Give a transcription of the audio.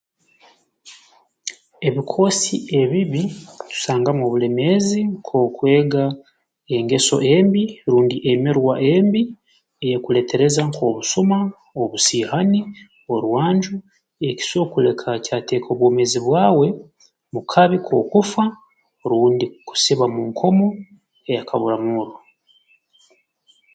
Ebikoosi ebibi tusangamu obulemeezi nk'okwega engeso embi rundi emirwa embi eyeekuleetereza nk'obusuma obusiihani orwanju ekiso kuleka kyateeka obwomeezi bwawe mu kabi k'okufa rundi kukusiba mu nkomo eya kabura murro